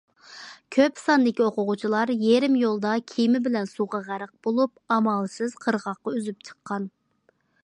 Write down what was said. كۆپ ساندىكى ئوقۇغۇچىلار يېرىم يولدا كېمە بىلەن سۇغا غەرق بولۇپ، ئامالسىز قىرغاققا ئۈزۈپ چىققان.